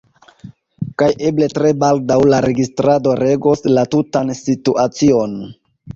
Kaj eble tre baldaŭ la registrado regos la tutan situacion